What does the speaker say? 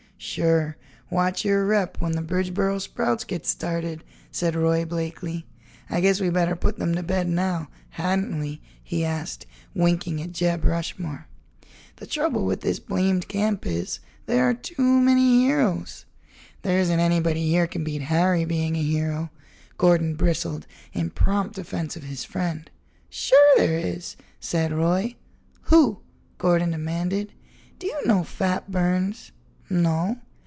"Sure, watch your rep when the Bridgeboro Sprouts get started," said Roy Blakeley. "I guess we better put them to bed now, hadn't we?" he asked, winking at Jeb Rushmore. "The trouble with this blamed camp is, there are too many heroes." "There isn't anybody here can beat Harry being a hero!" Gordon bristled, in prompt defense of his friend. "Sure there is," said Roy. "Who?" Gordon demanded. "Do you know Fat Burns?" "No."